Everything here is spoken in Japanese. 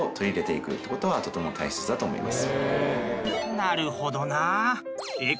なるほどな。